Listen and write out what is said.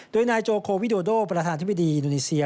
โดยนายโจโควิโดโดประธานธิบดีอินโดนีเซีย